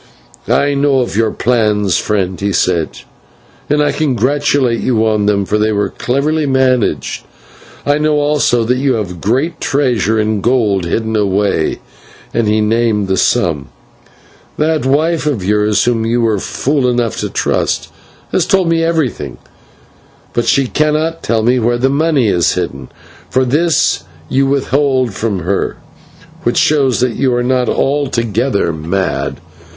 "I know all your plans, friend," he said, "and I congratulate you on them, for they were cleverly managed. I know also that you have a great treasure in gold hidden away " and he named the sum. "That wife of yours, whom you were fool enough to trust, has told me everything, but she cannot tell me where the money is hidden, for this you withheld from her, which shows that you are not altogether mad.